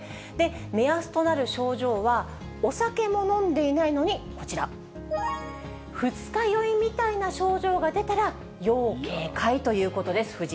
目安となる症状は、お酒も飲んでいないのにこちら、二日酔いみたいな症状が出たら要警戒ということです。